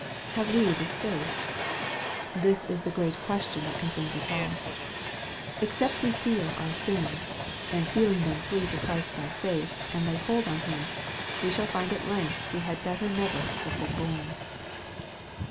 Have we this faith ? This is the great question that concerns us all. Except we feel our sins, and feeling them flee to Christ by faith, and lay hold on Him, we shall find at length we had better never have been born.